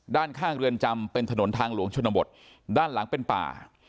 ด้านข้างเรือนจำเป็นถนนทางหลวงชนบทด้านหลังเป็นป่า